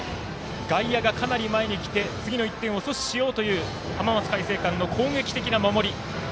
外野がかなり前に来て次の１点を阻止しようという浜松開誠館の攻撃的な守り。